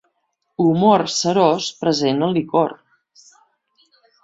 Humor serós present al licor.